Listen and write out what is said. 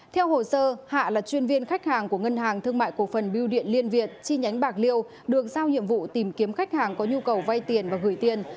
theo hồ sơ hạ là chuyên viên khách hàng của ngân hàng thương mại cổ phần biêu điện liên việt chi nhánh bạc liêu được giao nhiệm vụ tìm kiếm khách hàng có nhu cầu vay tiền và gửi tiền